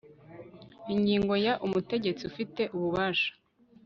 ingingo ya umutegetsi ufite ububasha